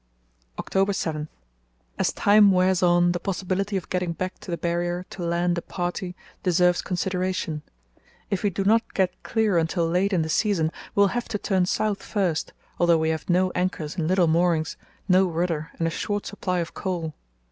"October 7.—As time wears on the possibility of getting back to the Barrier to land a party deserves consideration; if we do not get clear until late in the season we will have to turn south first, although we have no anchors and little moorings, no rudder and a short supply of coal.